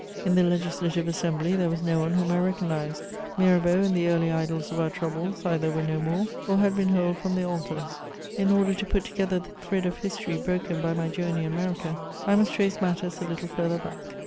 _ In the Legislative Assembly there was no one whom I recognised; Mirabeau and the early idols of our troubles either were no more or had been hurled from their altars. In order to put together the thread of history broken by my journey in America, I must trace matters a little further back.